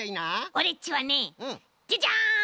オレっちはねジャジャン！